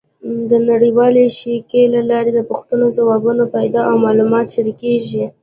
د نړیوالې شبکې له لارې د پوښتنو ځوابونه پیدا او معلومات شریکېږي.